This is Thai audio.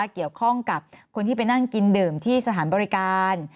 เกี่ยวข้องกับคนที่ไปนั่งกินดื่มที่สถานบริการ